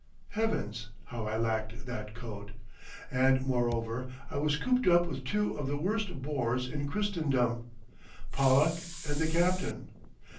Heavens! how I lacked that coat! And, moreover, I was cooped up with two of the worst bores in Christendom, Pollack and the captain.